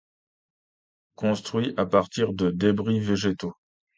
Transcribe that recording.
Construit à partir de débris végétaux.